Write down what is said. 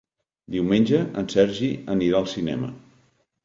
Diumenge en Sergi anirà al cinema.